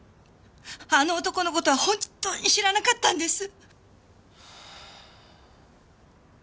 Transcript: あの男の事は本当に知らなかったんです！